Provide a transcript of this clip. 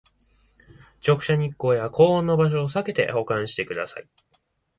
直射日光や高温の場所をさけて保管してください